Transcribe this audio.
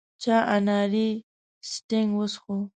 چا اناري سټینګ وڅښو.